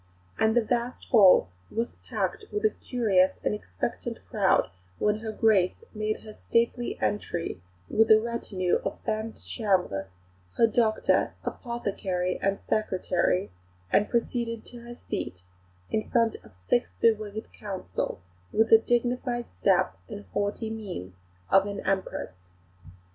And the vast Hall was packed with a curious and expectant crowd when her Grace made her stately entry with a retinue of femmes de chambre, her doctor, apothecary, and secretary, and proceeded to her seat, in front of her six bewigged Counsel, with the dignified step and haughty mien of an Empress.